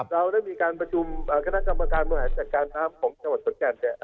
เราได้มีการประจุมคณะกรรมการมหาศัตริย์การน้ำของจังหวัดสดแก่น